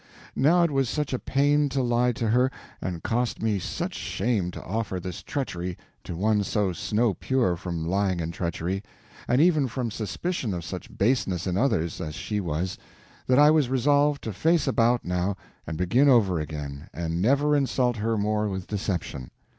Now it was such a pain to lie to her, and cost me such shame to offer this treachery to one so snow pure from lying and treachery, and even from suspicion of such baseness in others, as she was, that I was resolved to face about now and begin over again, and never insult her more with deception.